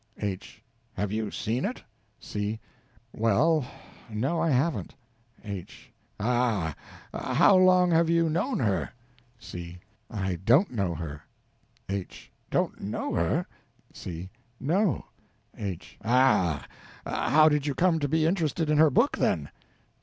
H. Have you seen it? C. Well no, I haven't. H. Ah h. How long have you known her? C. I don't know her. H. Don't know her? C. No. H. Ah h. How did you come to be interested in her book, then?